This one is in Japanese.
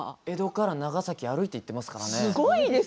江戸から長崎歩いて行っていますからね。